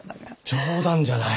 冗談じゃない。